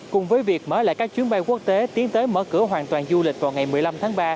cùng với việc mở lại các chuyến bay quốc tế tiến tới mở cửa hoàn toàn du lịch vào ngày một mươi năm tháng ba